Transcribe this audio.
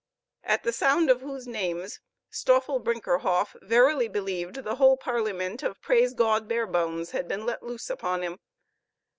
at the sound of whose names Stoffel Brinkerhoff verily believed the whole parliament of Praise God Barebones had been let loose upon him.